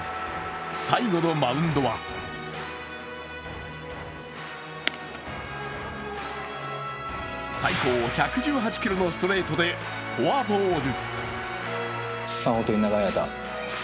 最後のマウンドは最高１５８キロのストレートでフォアボール。